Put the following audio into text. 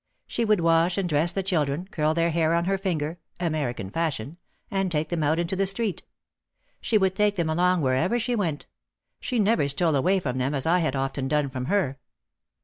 She would wash and dress the children, curl their hair on her finger, ' 'American fashion," and take them out into the street. She would take them along wherever she went. She never stole away from them as I had often done from her.